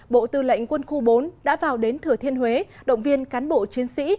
bộ tư lệnh quân khu bốn đã vào đến thừa thiên huế động viên cán bộ chiến sĩ